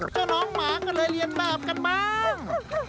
เจ้าน้องหมาก็เลยเรียนแบบกันบ้าง